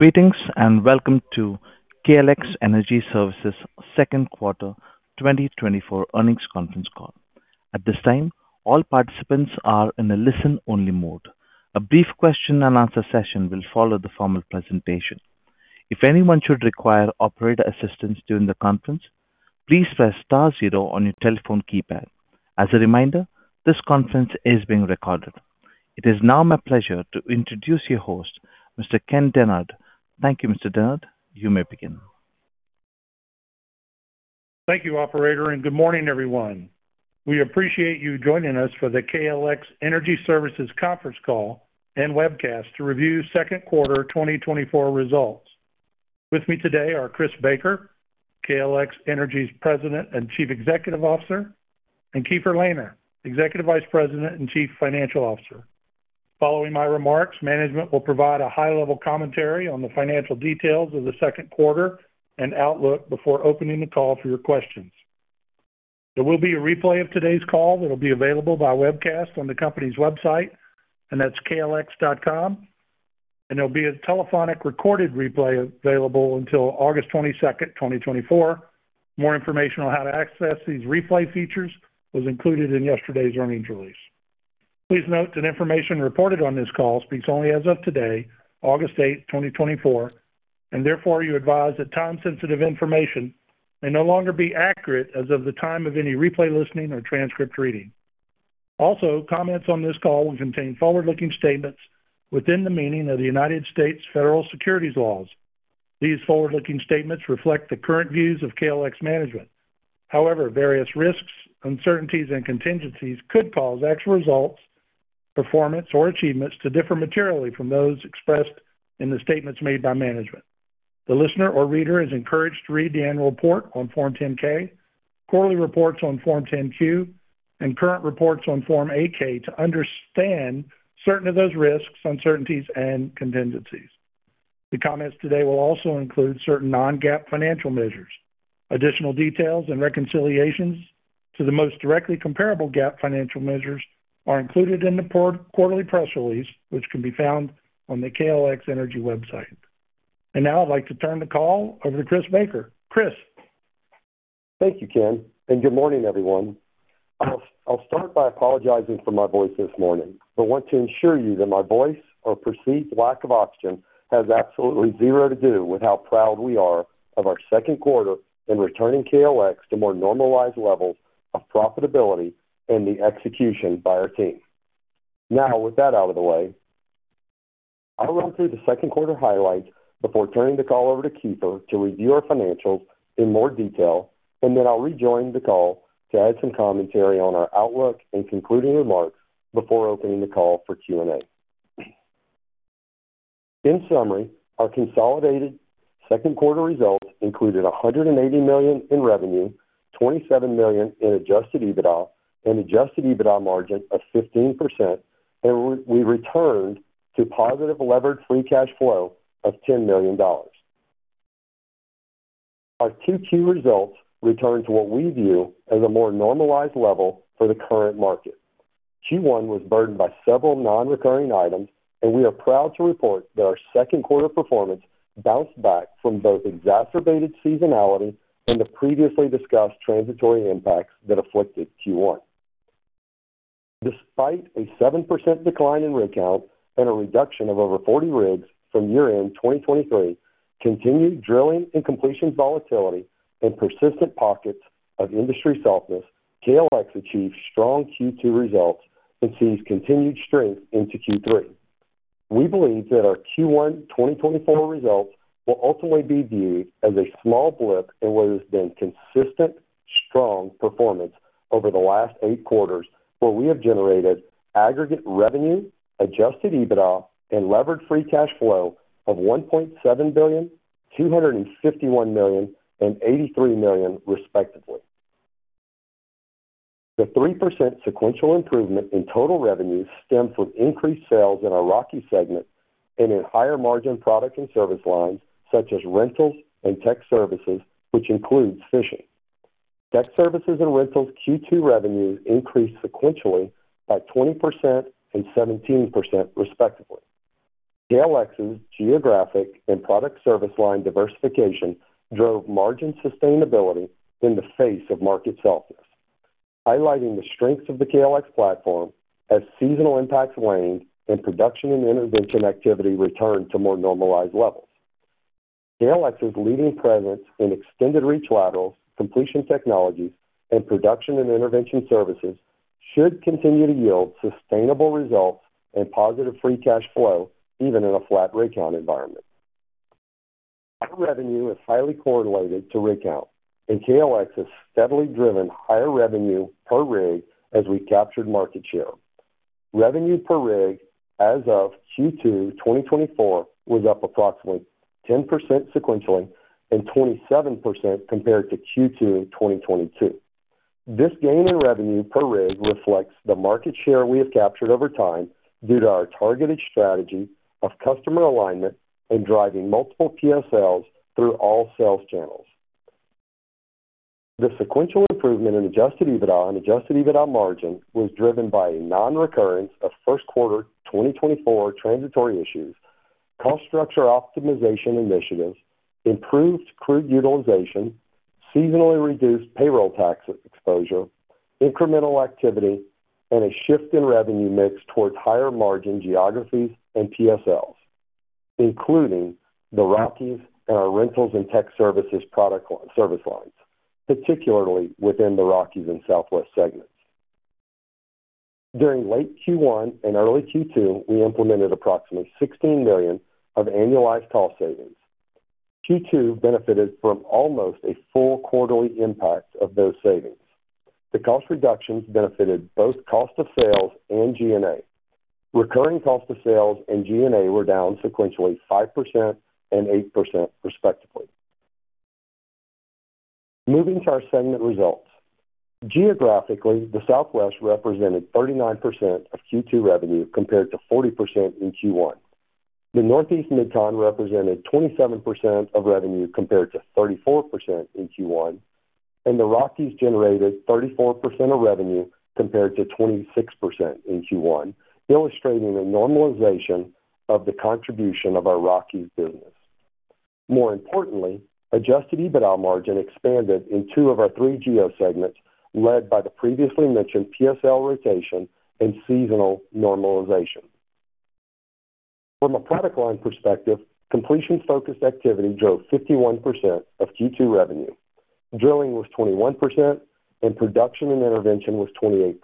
Greetings, and welcome to KLX Energy Services second quarter 2024 earnings conference call. At this time, all participants are in a listen-only mode. A brief question-and-answer session will follow the formal presentation. If anyone should require operator assistance during the conference, please press star zero on your telephone keypad. As a reminder, this conference is being recorded. It is now my pleasure to introduce your host, Mr. Ken Dennard. Thank you, Mr. Dennard. You may begin. Thank you, operator, and good morning, everyone. We appreciate you joining us for the KLX Energy Services conference call and webcast to review second quarter 2024 results. With me today are Chris Baker, KLX Energy's President and Chief Executive Officer, and Keefer Lehner, Executive Vice President and Chief Financial Officer. Following my remarks, management will provide a high-level commentary on the financial details of the second quarter and outlook before opening the call for your questions. There will be a replay of today's call that will be available by webcast on the company's website, and that's klx.com. There'll be a telephonic recorded replay available until August 22, 2024. More information on how to access these replay features was included in yesterday's earnings release. Please note that information reported on this call speaks only as of today, August 8, 2024, and therefore, you advise that time-sensitive information may no longer be accurate as of the time of any replay, listening, or transcript reading. Also, comments on this call will contain forward-looking statements within the meaning of the United States federal securities laws. These forward-looking statements reflect the current views of KLX management. However, various risks, uncertainties, and contingencies could cause actual results, performance, or achievements to differ materially from those expressed in the statements made by management. The listener or reader is encouraged to read the annual report on Form 10-K, quarterly reports on Form 10-Q, and current reports on Form 8-K to understand certain of those risks, uncertainties, and contingencies. The comments today will also include certain non-GAAP financial measures. Additional details and reconciliations to the most directly comparable GAAP financial measures are included in the report quarterly press release, which can be found on the KLX Energy website. And now I'd like to turn the call over to Chris Baker. Chris? Thank you, Ken, and good morning, everyone. I'll start by apologizing for my voice this morning, but want to ensure you that my voice or perceived lack of oxygen has absolutely zero to do with how proud we are of our second quarter in returning KLX to more normalized levels of profitability and the execution by our team. Now, with that out of the way, I'll run through the second quarter highlights before turning the call over to Kiefer to review our financials in more detail, and then I'll rejoin the call to add some commentary on our outlook and concluding remarks before opening the call for Q&A. In summary, our consolidated second quarter results included $180 million in revenue, $27 million in Adjusted EBITDA, and Adjusted EBITDA margin of 15%, and we returned to positive Levered Free Cash Flow of $10 million. Our Q2 results return to what we view as a more normalized level for the current market. Q1 was burdened by several non-recurring items, and we are proud to report that our second quarter performance bounced back from both exacerbated seasonality and the previously discussed transitory impacts that afflicted Q1. Despite a 7% decline in rig count and a reduction of over 40 rigs from year-end 2023, continued drilling and completion volatility and persistent pockets of industry softness, KLX achieved strong Q2 results and sees continued strength into Q3. We believe that our Q1 2024 results will ultimately be viewed as a small blip in what has been consistent, strong performance over the last eight quarters, where we have generated aggregate revenue, Adjusted EBITDA, and Levered Free Cash Flow of $1.7 billion, $251 million, and $83 million, respectively. The 3% sequential improvement in total revenue stemmed from increased sales in our Rockies segment and in higher-margin product and service lines, such as rentals and tech services, which includes fishing. Tech services and rentals Q2 revenues increased sequentially by 20% and 17%, respectively. KLX's geographic and product service line diversification drove margin sustainability in the face of market softness, highlighting the strengths of the KLX platform as seasonal impacts waned and production and intervention activity returned to more normalized levels. KLX's leading presence in extended reach laterals, completion technologies, and production and intervention services should continue to yield sustainable results and positive free cash flow, even in a flat rig count environment. Our revenue is highly correlated to rig count, and KLX has steadily driven higher revenue per rig as we captured market share. Revenue per rig as of Q2 2024 was up approximately 10% sequentially and 27% compared to Q2 2022. This gain in revenue per rig reflects the market share we have captured over time due to our targeted strategy of customer alignment and driving multiple PSLs through all sales channels.... The sequential improvement in adjusted EBITDA and adjusted EBITDA margin was driven by a non-recurrence of first quarter 2024 transitory issues, cost structure optimization initiatives, improved crude utilization, seasonally reduced payroll tax exposure, incremental activity, and a shift in revenue mix towards higher margin geographies and PSLs, including the Rockies and our rentals and tech services product line - service lines, particularly within the Rockies and Southwest segments. During late Q1 and early Q2, we implemented approximately $16 million of annualized cost savings. Q2 benefited from almost a full quarterly impact of those savings. The cost reductions benefited both cost of sales and G&A. Recurring cost of sales and G&A were down sequentially 5% and 8%, respectively. Moving to our segment results. Geographically, the Southwest represented 39% of Q2 revenue compared to 40% in Q1. The Northeast Mid-Con represented 27% of revenue compared to 34% in Q1, and the Rockies generated 34% of revenue compared to 26% in Q1, illustrating a normalization of the contribution of our Rockies business. More importantly, adjusted EBITDA margin expanded in two of our three geo segments, led by the previously mentioned PSL rotation and seasonal normalization. From a product line perspective, completion-focused activity drove 51% of Q2 revenue. Drilling was 21%, and production and intervention was 28%.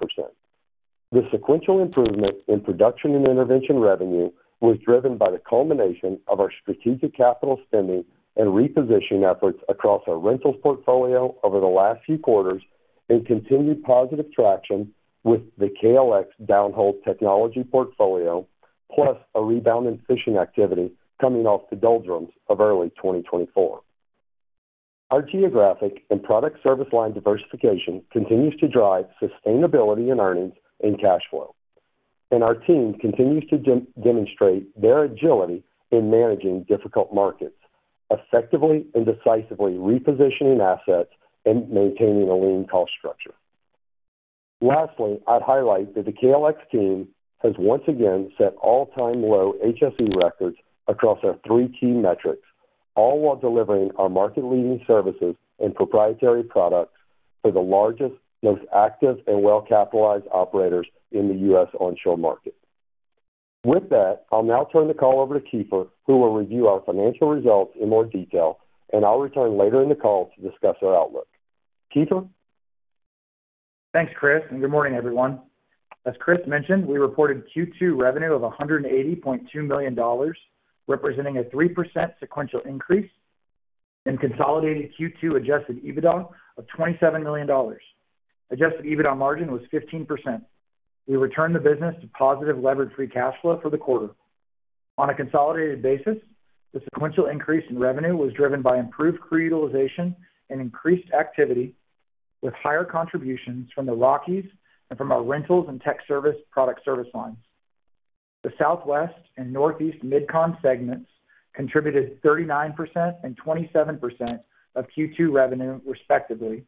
The sequential improvement in production and intervention revenue was driven by the culmination of our strategic capital spending and repositioning efforts across our rentals portfolio over the last few quarters, and continued positive traction with the KLX downhole technology portfolio, plus a rebound in fishing activity coming off the doldrums of early 2024. Our geographic and product service line diversification continues to drive sustainability in earnings and cash flow, and our team continues to demonstrate their agility in managing difficult markets, effectively and decisively repositioning assets and maintaining a lean cost structure. Lastly, I'd highlight that the KLX team has once again set all-time low HSE records across our three key metrics, all while delivering our market-leading services and proprietary products for the largest, most active and well-capitalized operators in the U.S. onshore market. With that, I'll now turn the call over to Kiefer, who will review our financial results in more detail, and I'll return later in the call to discuss our outlook. Kiefer? Thanks, Chris, and good morning, everyone. As Chris mentioned, we reported Q2 revenue of $180.2 million, representing a 3% sequential increase in consolidated Q2 Adjusted EBITDA of $27 million. Adjusted EBITDA margin was 15%. We returned the business to positive Levered Free Cash Flow for the quarter. On a consolidated basis, the sequential increase in revenue was driven by improved crew utilization and increased activity, with higher contributions from the Rockies and from our rentals and tech service product service lines. The Southwest and Northeast Mid-Con segments contributed 39% and 27% of Q2 revenue, respectively,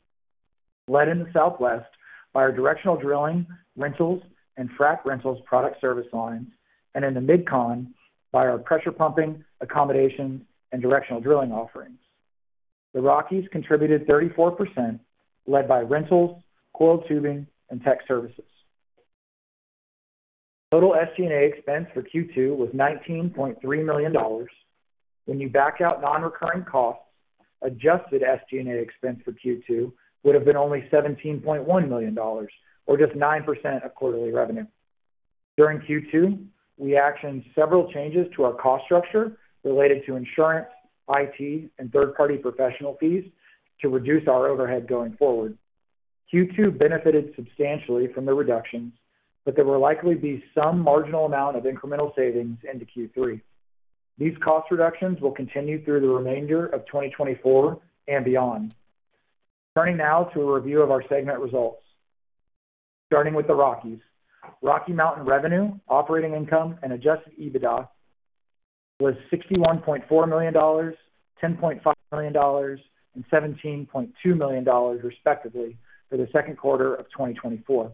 led in the Southwest by our directional drilling, rentals, and frac rentals product service lines, and in the Mid-Con by our pressure pumping, accommodation, and directional drilling offerings. The Rockies contributed 34%, led by rentals, coiled tubing, and tech services. Total SG&A expense for Q2 was $19.3 million. When you back out non-recurring costs, adjusted SG&A expense for Q2 would have been only $17.1 million, or just 9% of quarterly revenue. During Q2, we actioned several changes to our cost structure related to insurance, IT, and third-party professional fees to reduce our overhead going forward. Q2 benefited substantially from the reductions, but there will likely be some marginal amount of incremental savings into Q3. These cost reductions will continue through the remainder of 2024 and beyond. Turning now to a review of our segment results. Starting with the Rockies. Rocky Mountain revenue, operating income, and adjusted EBITDA was $61.4 million, $10.5 million, and $17.2 million, respectively, for the second quarter of 2024.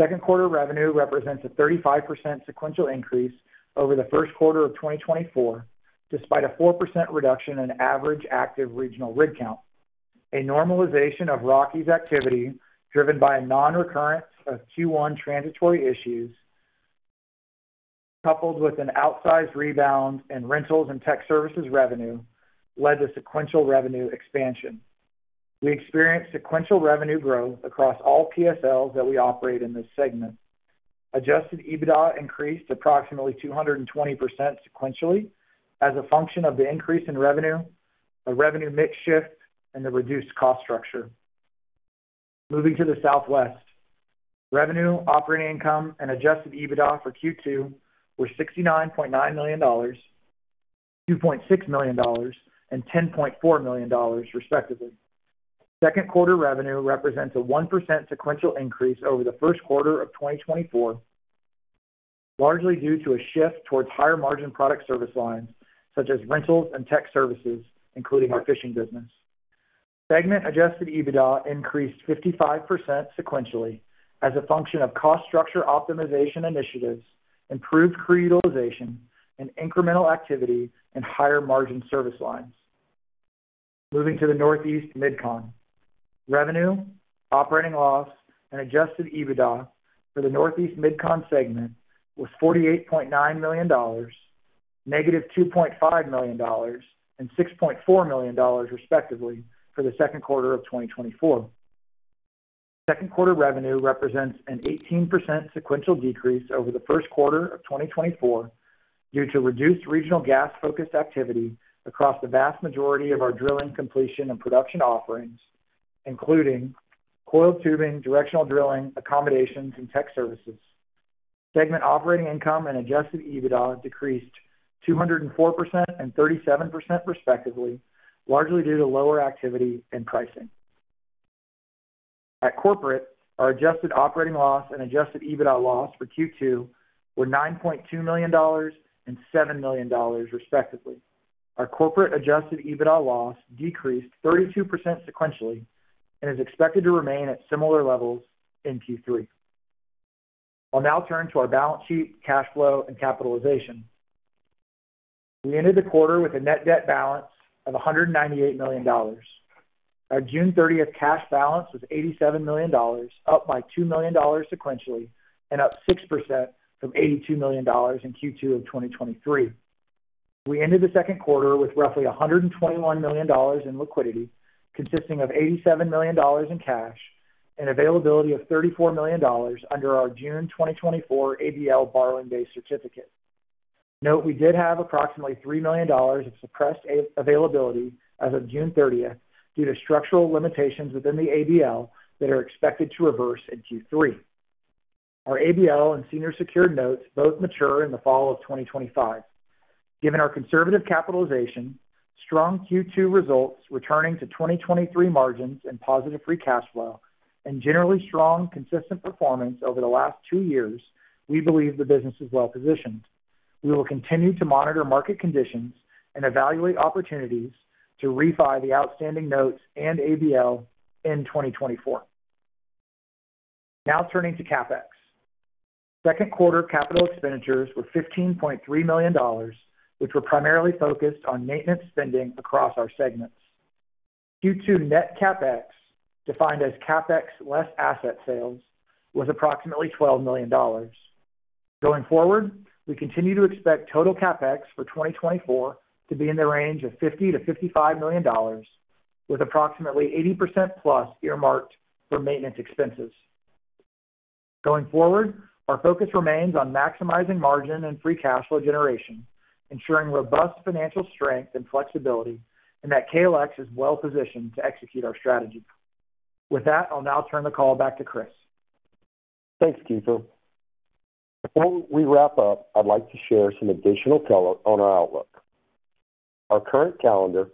Second quarter revenue represents a 35% sequential increase over the first quarter of 2024, despite a 4% reduction in average active regional rig count. A normalization of Rockies activity, driven by a non-recurrence of Q1 transitory issues, coupled with an outsized rebound in rentals and tech services revenue, led to sequential revenue expansion. We experienced sequential revenue growth across all PSLs that we operate in this segment. Adjusted EBITDA increased approximately 200% sequentially as a function of the increase in revenue, a revenue mix shift, and the reduced cost structure. Moving to the Southwest. Revenue, operating income, and Adjusted EBITDA for Q2 were $69.9 million, $2.6 million, and $10.4 million, respectively. Second quarter revenue represents a 1% sequential increase over the first quarter of 2024. Largely due to a shift towards higher margin product service lines, such as rentals and tech services, including our fishing business. Segment Adjusted EBITDA increased 55% sequentially as a function of cost structure optimization initiatives, improved crew utilization, and incremental activity in higher margin service lines. Moving to the Northeast Mid-Con. Revenue, operating loss, and Adjusted EBITDA for the Northeast Mid-Con segment was $48.9 million, -$2.5 million, and $6.4 million, respectively, for the second quarter of 2024. Second quarter revenue represents an 18% sequential decrease over the first quarter of 2024 due to reduced regional gas-focused activity across the vast majority of our drilling, completion, and production offerings, including coiled tubing, directional drilling, accommodations, and tech services. Segment operating income and Adjusted EBITDA decreased 204% and 37%, respectively, largely due to lower activity and pricing. At corporate, our adjusted operating loss and Adjusted EBITDA loss for Q2 were $9.2 million and $7 million, respectively. Our corporate Adjusted EBITDA loss decreased 32% sequentially and is expected to remain at similar levels in Q3. I'll now turn to our balance sheet, cash flow, and capitalization. We ended the quarter with a net debt balance of $198 million. Our June 30 cash balance was $87 million, up by $2 million sequentially, and up 6% from $82 million in Q2 of 2023. We ended the second quarter with roughly $121 million in liquidity, consisting of $87 million in cash and availability of $34 million under our June 2024 ABL borrowing base certificate. Note, we did have approximately $3 million of suppressed availability as of June 30 due to structural limitations within the ABL that are expected to reverse in Q3. Our ABL and senior secured notes both mature in the fall of 2025. Given our conservative capitalization, strong Q2 results, returning to 2023 margins and positive free cash flow, and generally strong, consistent performance over the last two years, we believe the business is well positioned. We will continue to monitor market conditions and evaluate opportunities to refi the outstanding notes and ABL in 2024. Now turning to CapEx. Second quarter capital expenditures were $15.3 million, which were primarily focused on maintenance spending across our segments. Q2 net CapEx, defined as CapEx less asset sales, was approximately $12 million. Going forward, we continue to expect total CapEx for 2024 to be in the range of $50-$55 million, with approximately 80%+ earmarked for maintenance expenses. Going forward, our focus remains on maximizing margin and free cash flow generation, ensuring robust financial strength and flexibility, and that KLX is well positioned to execute our strategy. With that, I'll now turn the call back to Chris. Thanks, Kiefer. Before we wrap up, I'd like to share some additional color on our outlook. Our current calendar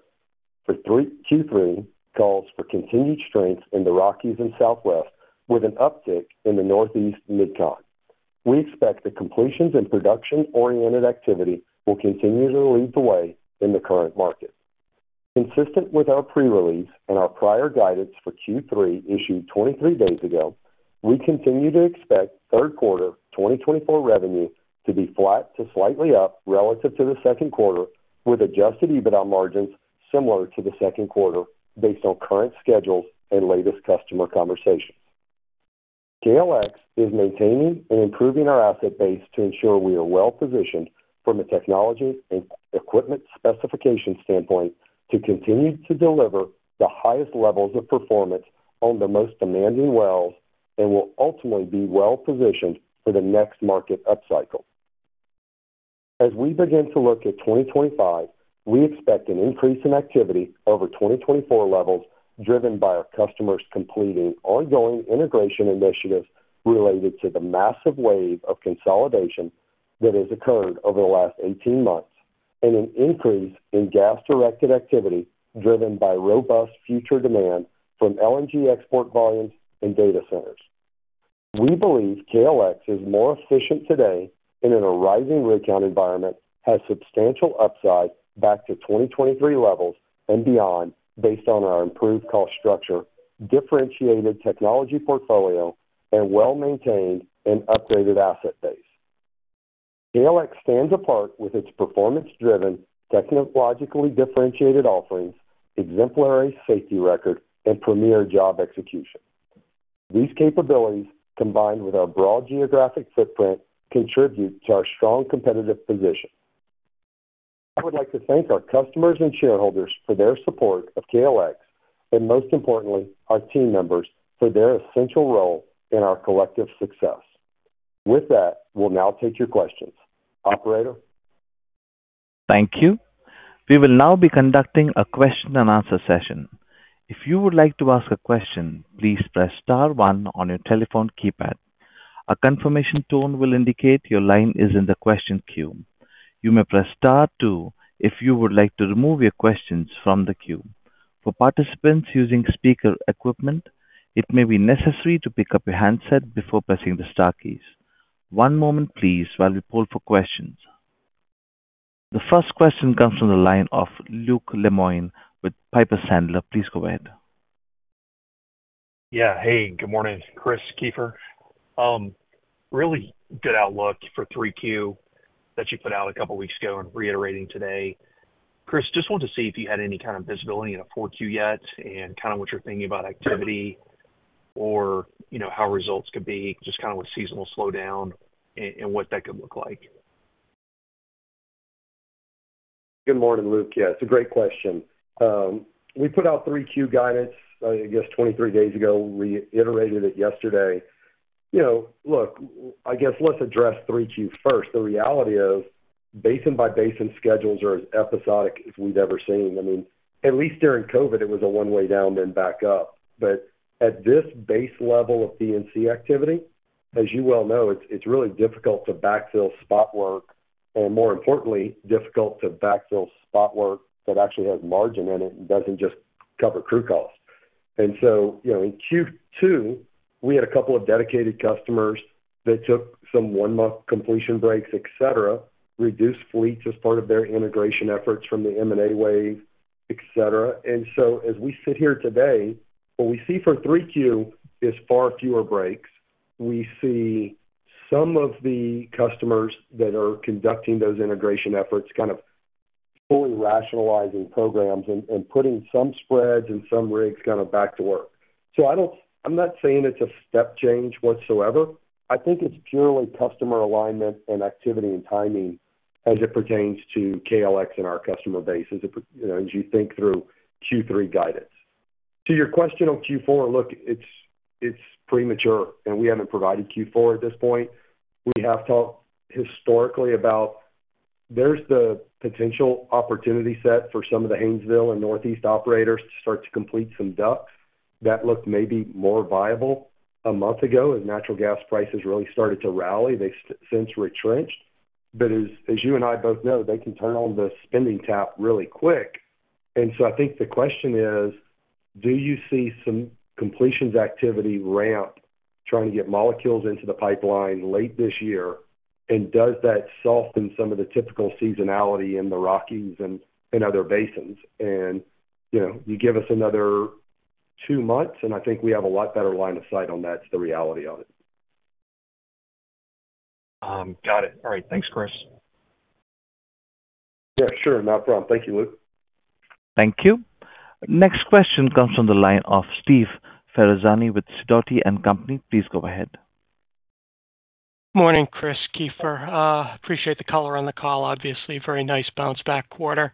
for Q3 calls for continued strength in the Rockies and Southwest, with an uptick in the Northeast Mid-Con. We expect the completions and production-oriented activity will continue to lead the way in the current market. Consistent with our pre-release and our prior guidance for Q3, issued 23 days ago, we continue to expect third quarter 2024 revenue to be flat to slightly up relative to the second quarter, with Adjusted EBITDA margins similar to the second quarter based on current schedules and latest customer conversations. KLX is maintaining and improving our asset base to ensure we are well positioned from a technology and equipment specification standpoint to continue to deliver the highest levels of performance on the most demanding wells and will ultimately be well positioned for the next market upcycle. As we begin to look at 2025, we expect an increase in activity over 2024 levels, driven by our customers completing ongoing integration initiatives related to the massive wave of consolidation that has occurred over the last 18 months, and an increase in gas-directed activity, driven by robust future demand from LNG export volumes and data centers. We believe KLX is more efficient today in an arising rig count environment, has substantial upside back to 2023 levels and beyond, based on our improved cost structure, differentiated technology portfolio, and well-maintained and upgraded asset base. KLX stands apart with its performance-driven, technologically differentiated offerings, exemplary safety record, and premier job execution. These capabilities, combined with our broad geographic footprint, contribute to our strong competitive position. I would like to thank our customers and shareholders for their support of KLX and, most importantly, our team members for their essential role in our collective success. With that, we'll now take your questions. Operator? Thank you. We will now be conducting a question-and-answer session. If you would like to ask a question, please press *1 on your telephone keypad. A confirmation tone will indicate your line is in the question queue. You may press *2 if you would like to remove your questions from the queue. For participants using speaker equipment, it may be necessary to pick up your handset before pressing the * keys. One moment please while we poll for questions. The first question comes from the line of Luke Lemoine with Piper Sandler. Please go ahead. Yeah. Hey, good morning, Chris, Kiefer. Really good outlook for 3Q that you put out a couple of weeks ago and reiterating today. Chris, just wanted to see if you had any kind of visibility into 4Q yet and kind of what you're thinking about activity or, you know, how results could be, just kind of with seasonal slowdown and, and what that could look like. Good morning, Luke. Yeah, it's a great question. We put out 3Q guidance, I guess, 23 days ago. We iterated it yesterday. You know, look, I guess let's address 3Q first. The reality is, basin by basin schedules are as episodic as we've ever seen. I mean, at least during COVID, it was a one way down, then back up. But at this base level of D&C activity, as you well know, it's, it's really difficult to backfill spot work, and more importantly, difficult to backfill spot work that actually has margin in it and doesn't just cover crew costs. And so, you know, in Q2, we had a couple of dedicated customers that took some 1-month completion breaks, et cetera, reduced fleets as part of their integration efforts from the M&A wave, et cetera. And so as we sit here today, what we see for Q3 is far fewer breaks. We see some of the customers that are conducting those integration efforts kind of fully rationalizing programs and, and putting some spreads and some rigs kind of back to work. So I don't--I'm not saying it's a step change whatsoever. I think it's purely customer alignment and activity and timing as it pertains to KLX and our customer base, as it, you know, as you think through Q3 guidance. To your question on Q4, look, it's, it's premature, and we haven't provided Q4 at this point. We have talked historically about there's the potential opportunity set for some of the Haynesville and Northeast operators to start to complete some DUCs. That looked maybe more viable a month ago, as natural gas prices really started to rally. They since retrenched. But as you and I both know, they can turn on the spending tap really quick. And so I think the question is: Do you see some completions activity ramp, trying to get molecules into the pipeline late this year? And does that soften some of the typical seasonality in the Rockies and in other basins? And, you know, you give us another two months, and I think we have a lot better line of sight on that. That's the reality of it. Got it. All right. Thanks, Chris. Yeah, sure. Not a problem. Thank you, Luke. Thank you. Next question comes from the line of Steve Ferazani with Sidoti & Company. Please go ahead. Morning, Chris, Kiefer. Appreciate the color on the call. Obviously, a very nice bounce back quarter.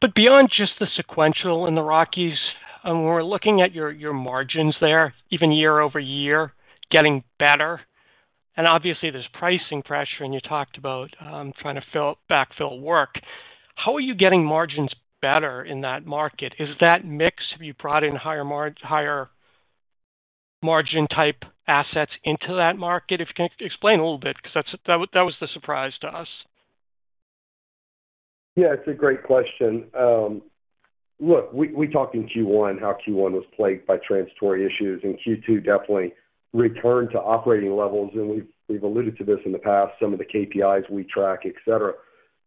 But beyond just the sequential in the Rockies, and we're looking at your margins there, even year-over-year, getting better, and obviously, there's pricing pressure, and you talked about trying to backfill work. How are you getting margins better in that market? Is that mix, have you brought in higher margin type assets into that market? If you can explain a little bit, because that's the surprise to us. Yeah, it's a great question. Look, we talked in Q1, how Q1 was plagued by transitory issues, and Q2 definitely returned to operating levels. And we've alluded to this in the past, some of the KPIs we track, et cetera.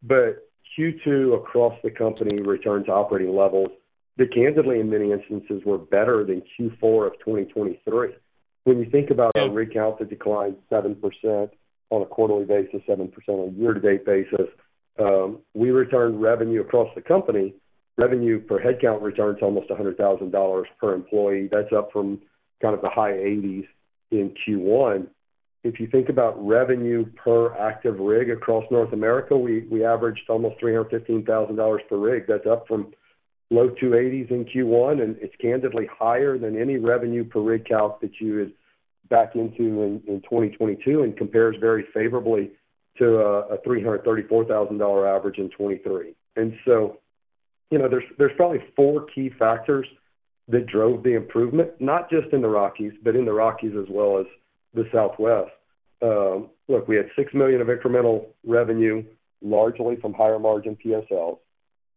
But Q2, across the company, returned to operating levels, that candidly, in many instances, were better than Q4 of 2023. When you think about our rig count, that declined 7% on a quarterly basis, 7% on a year-to-date basis, we returned revenue across the company. Revenue per headcount returned to almost $100,000 per employee. That's up from kind of the high 80s in Q1. If you think about revenue per active rig across North America, we averaged almost $315,000 per rig. That's up from low 280s in Q1, and it's candidly higher than any revenue per rig count that you would back into in 2022 and compares very favorably to a $334,000 average in 2023. And so, you know, there's probably four key factors that drove the improvement, not just in the Rockies, but in the Rockies as well as the Southwest. Look, we had $6 million of incremental revenue, largely from higher margin PSLs.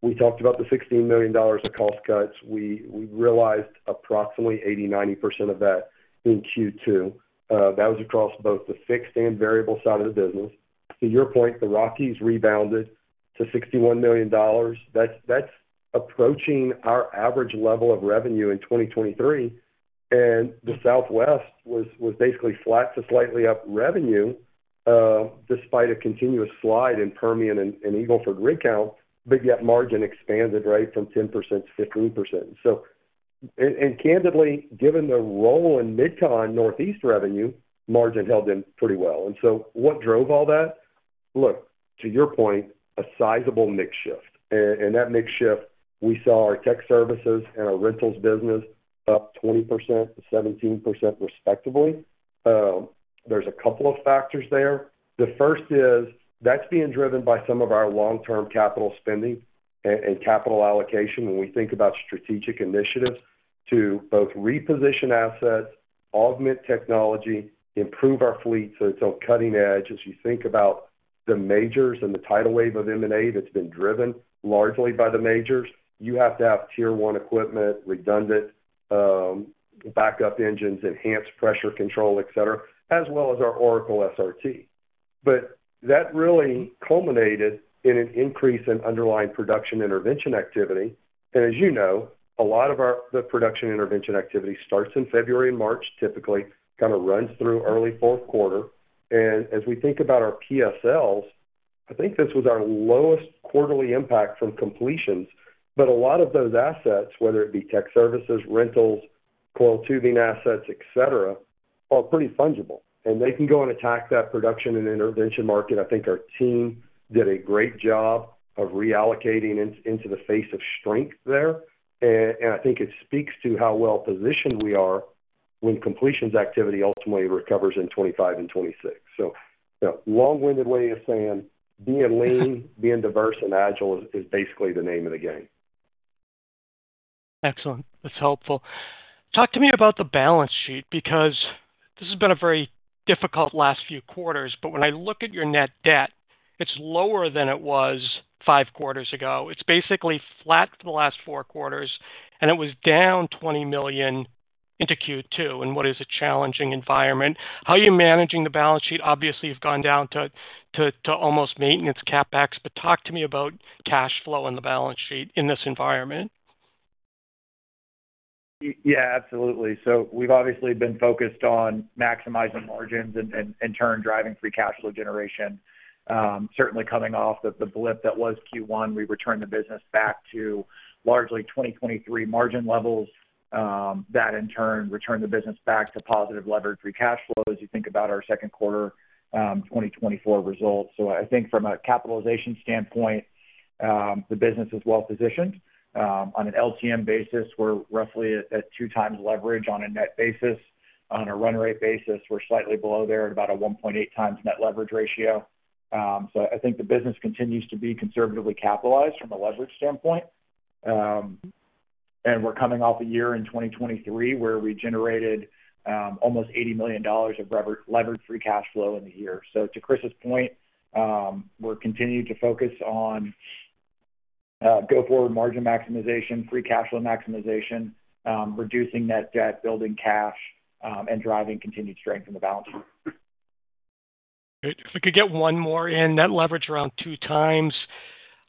We talked about the $16 million of cost cuts. We realized approximately 80%-90% of that in Q2. That was across both the fixed and variable side of the business. To your point, the Rockies rebounded to $61 million. That's approaching our average level of revenue in 2023, and the Southwest was basically flat to slightly up revenue, despite a continuous slide in Permian and Eagle Ford rig count, but yet margin expanded, right, from 10% to 15%. So, candidly, given the role in mid-con Northeast revenue, margin held in pretty well. And so what drove all that? Look, to your point, a sizable mix shift. And that mix shift, we saw our tech services and our rentals business up 20% to 17%, respectively. There's a couple of factors there. The first is, that's being driven by some of our long-term capital spending and capital allocation when we think about strategic initiatives to both reposition assets, augment technology, improve our fleet so it's on cutting edge, as you think about-... the majors and the tidal wave of M&A that's been driven largely by the majors, you have to have Tier One equipment, redundant, backup engines, enhanced pressure control, et cetera, as well as our ORACLE SRT. But that really culminated in an increase in underlying production intervention activity. And as you know, a lot of our, the production intervention activity starts in February and March, typically, kind of, runs through early fourth quarter. And as we think about our PSLs, I think this was our lowest quarterly impact from completions. But a lot of those assets, whether it be tech services, rentals, coiled tubing assets, et cetera, are pretty fungible, and they can go and attack that production and intervention market. I think our team did a great job of reallocating in, into the face of strength there. And I think it speaks to how well positioned we are when completions activity ultimately recovers in 2025 and 2026. So, you know, long-winded way of saying, being lean, being diverse and agile is basically the name of the game. Excellent. That's helpful. Talk to me about the balance sheet, because this has been a very difficult last few quarters, but when I look at your net debt, it's lower than it was 5 quarters ago. It's basically flat for the last 4 quarters, and it was down $20 million into Q2, in what is a challenging environment. How are you managing the balance sheet? Obviously, you've gone down to almost maintenance CapEx, but talk to me about cash flow and the balance sheet in this environment. Yeah, absolutely. So we've obviously been focused on maximizing margins and in turn, driving free cash flow generation. Certainly coming off of the blip that was Q1, we returned the business back to largely 2023 margin levels. That in turn, returned the business back to positive leverage, free cash flow, as you think about our second quarter, 2024 results. So I think from a capitalization standpoint, the business is well positioned. On an LTM basis, we're roughly at two times leverage on a net basis. On a run rate basis, we're slightly below there at about a 1.8x net leverage ratio. So I think the business continues to be conservatively capitalized from a leverage standpoint. We're coming off a year in 2023, where we generated almost $80 million of levered free cash flow in the year. So to Chris's point, we're continuing to focus on go forward margin maximization, free cash flow maximization, reducing net debt, building cash, and driving continued strength in the balance sheet. Great. If I could get one more in. Net leverage around 2x,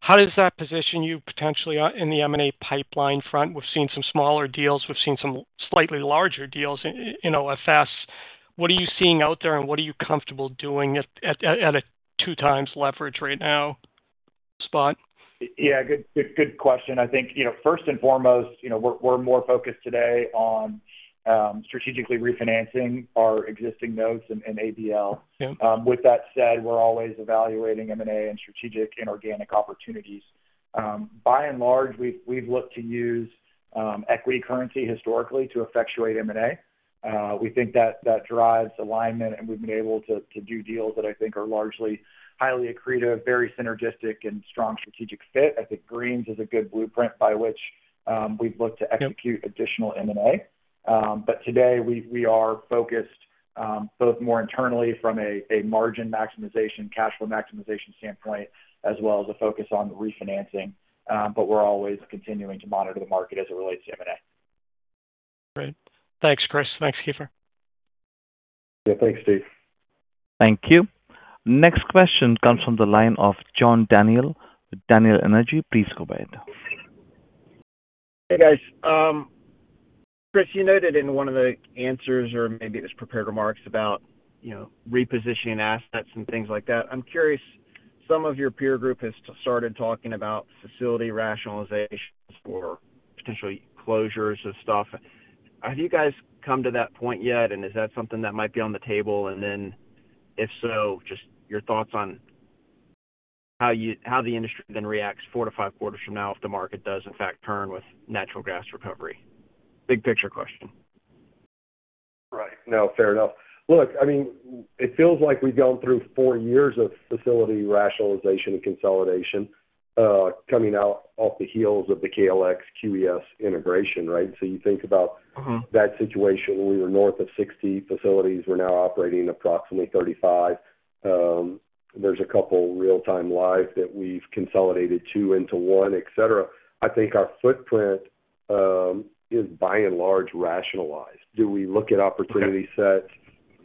how does that position you potentially in the M&A pipeline front? We've seen some smaller deals. We've seen some slightly larger deals in OFS. What are you seeing out there, and what are you comfortable doing at a 2x leverage right now, spot? Yeah, good, good, good question. I think, you know, first and foremost, you know, we're, we're more focused today on strategically refinancing our existing notes in ABL. Yep. With that said, we're always evaluating M&A and strategic inorganic opportunities. By and large, we've looked to use equity currency historically to effectuate M&A. We think that drives alignment, and we've been able to do deals that I think are largely highly accretive, very synergistic and strong strategic fit. I think Greene's is a good blueprint by which we've looked- Yep to execute additional M&A. But today, we are focused both more internally from a margin maximization, cash flow maximization standpoint, as well as a focus on the refinancing. But we're always continuing to monitor the market as it relates to M&A. Great. Thanks, Chris. Thanks, Kiefer. Yeah, thanks, Steve. Thank you. Next question comes from the line of John Daniel with Daniel Energy Partners. Please go ahead. Hey, guys. Chris, you noted in one of the answers, or maybe it was prepared remarks, about, you know, repositioning assets and things like that. I'm curious, some of your peer group has started talking about facility rationalizations or potentially closures of stuff. Have you guys come to that point yet? And is that something that might be on the table? And then, if so, just your thoughts on how you-- how the industry then reacts 4-5 quarters from now if the market does, in fact, turn with natural gas recovery? Big picture question. Right. No, fair enough. Look, I mean, it feels like we've gone through four years of facility rationalization and consolidation, coming out on the heels of the KLX, QES integration, right? So you think about- that situation, we were north of 60 facilities. We're now operating approximately 35. There's a couple real-time live that we've consolidated 2 into one, et cetera. I think our footprint, is, by and large, rationalized. Do we look at opportunity sets?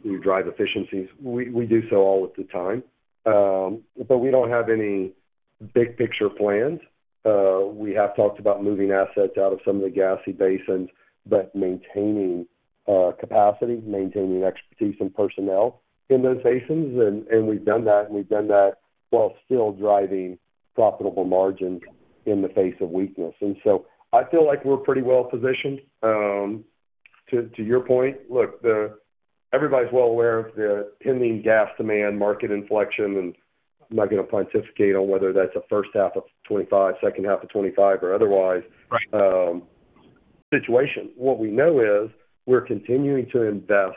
Do we drive efficiencies? We, we do so all of the time, but we don't have any big picture plans. We have talked about moving assets out of some of the gassy basins, but maintaining, capacity, maintaining expertise and personnel in those basins. And, and we've done that, and we've done that while still driving profitable margins in the face of weakness. And so I feel like we're pretty well positioned. To your point, look, everybody's well aware of the pending gas demand, market inflection, and I'm not gonna pontificate on whether that's the first half of 2025, second half of 2025 or otherwise- Right situation. What we know is, we're continuing to invest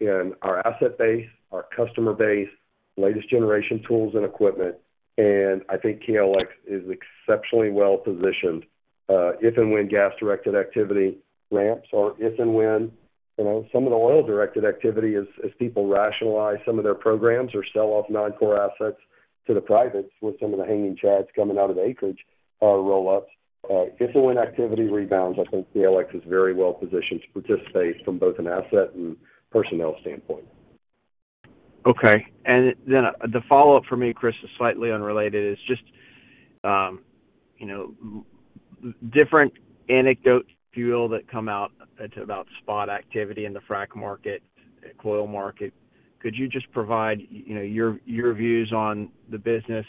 in our asset base, our customer base, latest generation tools and equipment, and I think KLX is exceptionally well positioned, if and when gas-directed activity ramps, or if and when... you know, some of the oil-directed activity as people rationalize some of their programs or sell off non-core assets to the privates with some of the hanging chads coming out of the acreage, roll-ups. If and when activity rebounds, I think KLX is very well positioned to participate from both an asset and personnel standpoint. Okay. And then the follow-up for me, Chris, is slightly unrelated, is just, you know, different anecdotal fuel that comes out about spot activity in the frac market, coil market. Could you just provide, you know, your, your views on the business?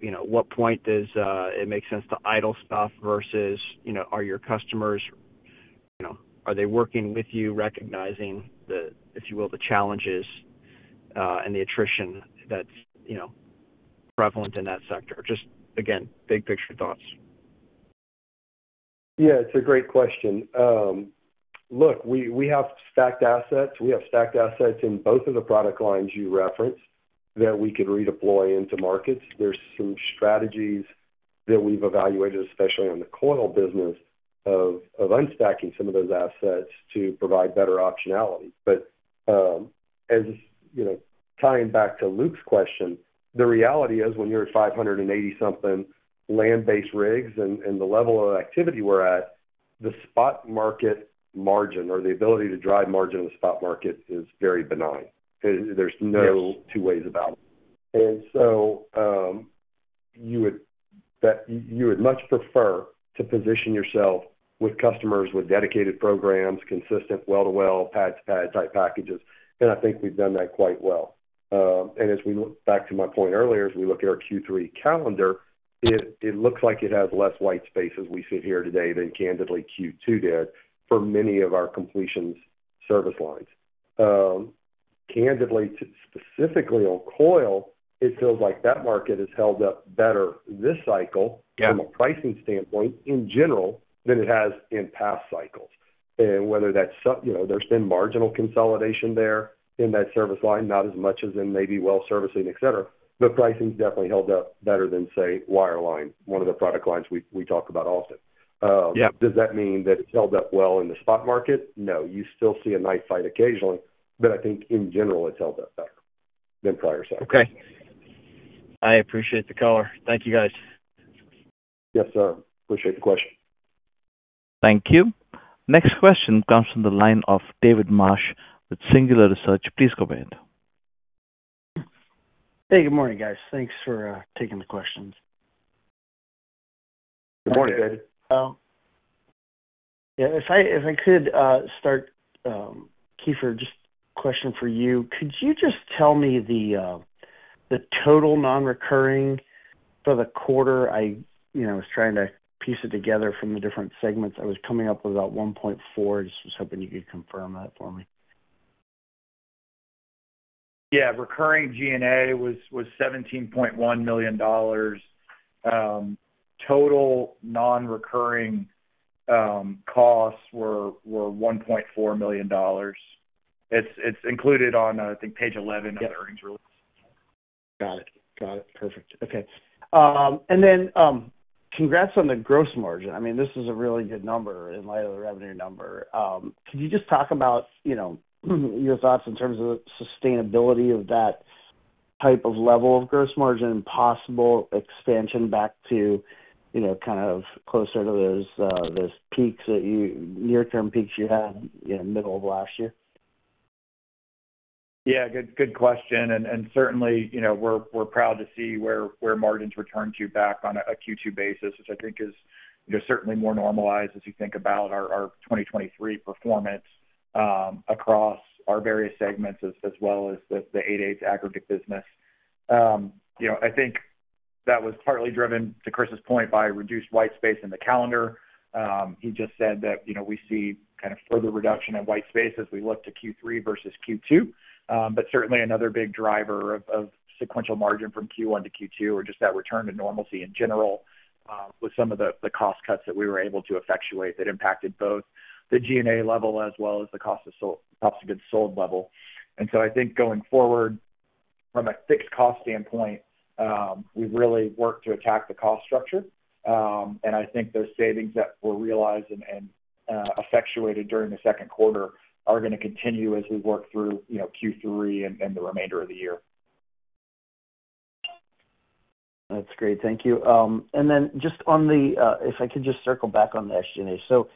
You know, at what point does it make sense to idle stuff versus, you know, are your customers, you know, are they working with you, recognizing the, if you will, the challenges, and the attrition that's, you know, prevalent in that sector? Just again, big picture thoughts. Yeah, it's a great question. Look, we have stacked assets. We have stacked assets in both of the product lines you referenced, that we could redeploy into markets. There's some strategies that we've evaluated, especially on the coil business, of unstacking some of those assets to provide better optionality. But, as you know, tying back to Luke's question, the reality is, when you're at 580-something land-based rigs and the level of activity we're at, the spot market margin or the ability to drive margin in the spot market is very benign. There's no two ways about it. And so, you would much prefer to position yourself with customers with dedicated programs, consistent well-to-well, pad-to-pad type packages, and I think we've done that quite well. And as we look back to my point earlier, as we look at our Q3 calendar, it looks like it has less white space as we sit here today than candidly Q2 did for many of our completions service lines. Candidly, to specifically on coil, it feels like that market has held up better this cycle- Yeah. from a pricing standpoint in general than it has in past cycles. And whether that's, you know, there's been marginal consolidation there in that service line, not as much as in maybe well servicing, et cetera, but pricing's definitely held up better than, say, wireline, one of the product lines we, we talk about often. Yeah. Does that mean that it's held up well in the spot market? No. You still see a knife fight occasionally, but I think in general, it's held up better than prior cycles. Okay. I appreciate the color. Thank you, guys. Yes, sir. Appreciate the question. Thank you. Next question comes from the line of David Marsh with Singular Research. Please go ahead. Hey, good morning, guys. Thanks for taking the questions. Good morning, David. Yeah, if I could start, Keefer, just a question for you. Could you just tell me the total nonrecurring for the quarter? You know, I was trying to piece it together from the different segments. I was coming up with about $1.4. Just was hoping you could confirm that for me. Yeah. Recurring G&A was $17.1 million. Total nonrecurring costs were $1.4 million. It's included on, I think, page 11 of the earnings release. Got it. Got it. Perfect. Okay. And then, congrats on the gross margin. I mean, this is a really good number in light of the revenue number. Could you just talk about, you know, your thoughts in terms of the sustainability of that type of level of gross margin and possible expansion back to, you know, kind of closer to those near-term peaks you had in middle of last year? Yeah, good, good question, and, and certainly, you know, we're, we're proud to see where, where margins returned to back on a, a Q2 basis, which I think is, you know, certainly more normalized as you think about our, our 2023 performance, across our various segments as, as well as the, the 8A aggregate business. You know, I think that was partly driven, to Chris's point, by reduced white space in the calendar. He just said that, you know, we see kind of further reduction in white space as we look to Q3 versus Q2. But certainly another big driver of, of sequential margin from Q1 to Q2, or just that return to normalcy in general, with some of the, the cost cuts that we were able to effectuate that impacted both the G&A level as well as the cost of sold, cost of goods sold level. And so I think going forward, from a fixed cost standpoint, we've really worked to attack the cost structure. And I think those savings that were realized and effectuated during the second quarter are gonna continue as we work through, you know, Q3 and the remainder of the year. That's great. Thank you. And then just on the SG&A. If I could just circle back on the SG&A. So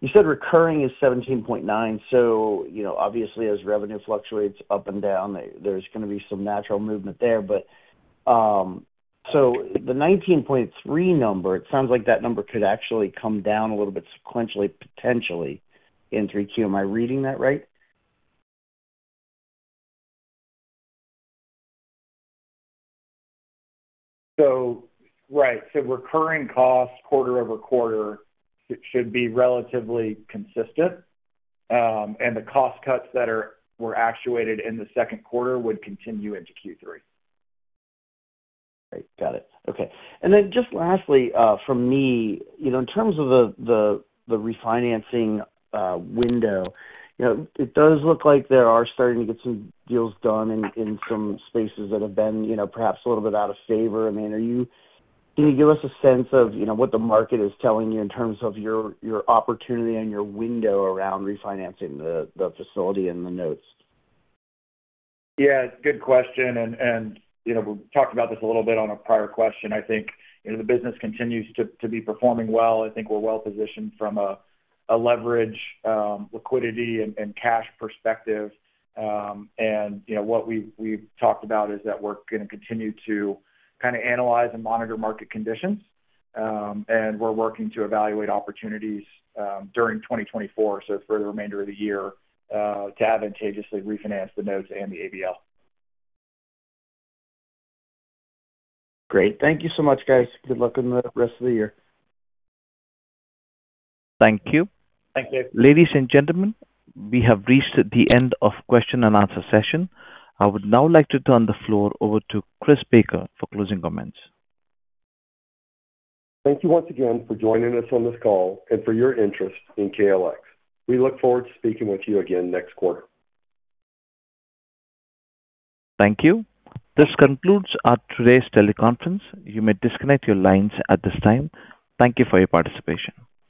you said recurring is 17.9. So, you know, obviously, as revenue fluctuates up and down, there's gonna be some natural movement there. But, so the 19.3 number, it sounds like that number could actually come down a little bit sequentially, potentially in 3Q. Am I reading that right? So, recurring costs quarter-over-quarter should be relatively consistent, and the cost cuts that were actuated in the second quarter would continue into Q3. Great. Got it. Okay. And then just lastly, from me, you know, in terms of the refinancing window, you know, it does look like there are starting to get some deals done in some spaces that have been, you know, perhaps a little bit out of favor. I mean, can you give us a sense of, you know, what the market is telling you in terms of your opportunity and your window around refinancing the facility and the notes? Yeah, good question. You know, we talked about this a little bit on a prior question. I think, you know, the business continues to be performing well. I think we're well positioned from a leverage, liquidity and cash perspective. You know, what we've talked about is that we're gonna continue to kind of analyze and monitor market conditions. We're working to evaluate opportunities during 2024, so for the remainder of the year, to advantageously refinance the notes and the ABL. Great. Thank you so much, guys. Good luck on the rest of the year. Thank you. Thank you. Ladies and gentlemen, we have reached the end of question and answer session. I would now like to turn the floor over to Chris Baker for closing comments. Thank you once again for joining us on this call and for your interest in KLX. We look forward to speaking with you again next quarter. Thank you. This concludes today's teleconference. You may disconnect your lines at this time. Thank you for your participation.